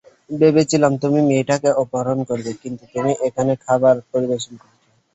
ভেবেছিলাম তুমি মেয়েটাকে অপহরণ করবে, কিন্তু তুমি এখানে খাবার পরিবেশন করছ!